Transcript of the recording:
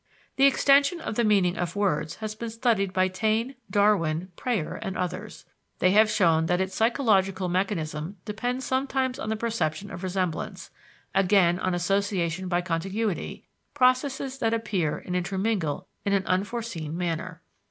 The extension of the meaning of words has been studied by Taine, Darwin, Preyer, and others. They have shown that its psychological mechanism depends sometimes on the perception of resemblance, again on association by contiguity, processes that appear and intermingle in an unforeseen manner.